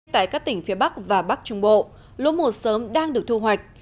tại các tỉnh phía bắc và bắc trung bộ lúa mùa sớm đang được thu hoạch